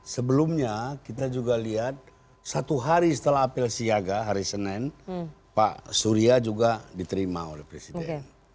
sebelumnya kita juga lihat satu hari setelah apel siaga hari senin pak surya juga diterima oleh presiden